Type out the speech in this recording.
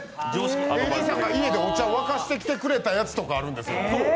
ＡＤさんが家でお茶沸かしてきてくれたやつとかあるんです。